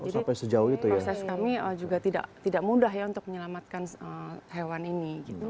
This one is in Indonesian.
jadi proses kami juga tidak mudah ya untuk menyelamatkan hewan ini gitu